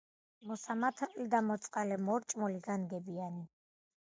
მოსამართლე და მოწყალე, მორჭმული, განგებიანი.